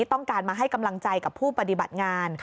ต้องการมาให้กำลังใจกับผู้ปฏิบัติงาน